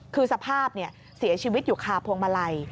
คือสภาพเสียชีวิตอยู่คาพวงมาลัย